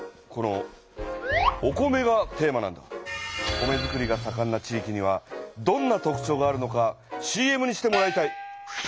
「米づくりがさかんな地域」にはどんな特ちょうがあるのかＣＭにしてもらいたい。